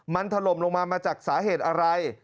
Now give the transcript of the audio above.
มันถล่มลงมามาจากสาเหตุอะไร